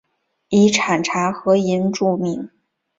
以产茶和银著名。